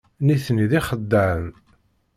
Nitni d ixeddaɛen.